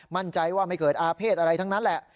มั่นใจว่าไม่เกิดอาเภษอะไรทั้งนั้นแหละ